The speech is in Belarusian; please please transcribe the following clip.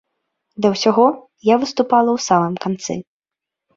Да ўсяго, я выступала ў самым канцы.